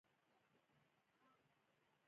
پسه د افغانستان د تکنالوژۍ پرمختګ سره تړاو لري.